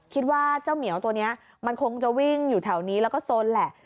คิดว่าเจ้าเหมียวตัวนี้มันคงจะวิ่งอยู่แถวนี้แล้วก็สนแหละ